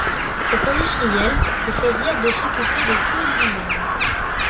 Cet industriel peut choisir de s'occuper de tout lui-même.